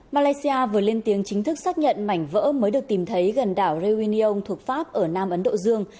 malaysia vừa lên tiếng chính thức xác nhận mảnh vỡ mới được tìm thấy gần đảo reunion thuộc pháp ở nam ấn độ dương